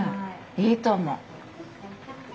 いいと思う！